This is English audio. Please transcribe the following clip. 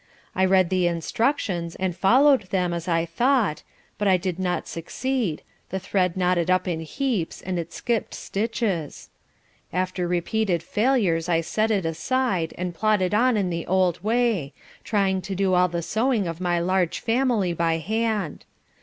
I read the instructions, and followed them as I thought, but I did not succeed, the thread knotted up in heaps and it skipped stitches. After repeated failures I set it aside, and plodded on in the old way, trying to do all the sewing of my large family by hand.